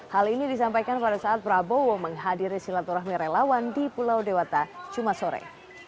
hal ini disampaikan pada saat prabowo menghadiri silaturahmi relawan di pulau dewata cuma sore